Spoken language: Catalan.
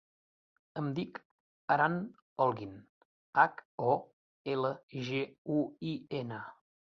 Em dic Aran Holguin: hac, o, ela, ge, u, i, ena.